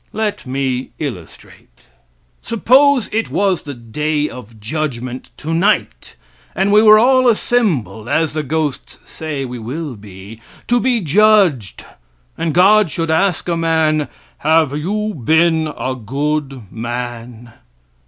Let me illustrate: Suppose it was the Day of Judgment tonight and we were all assembled, as the ghosts say we will be, to be judged, and God should ask a man: "Have you been a good man?"